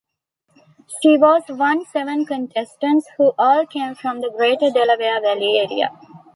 She was one seven contestants who all came from the greater Delaware Valley area.